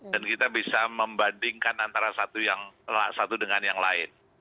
dan kita bisa membandingkan antara satu dengan yang lain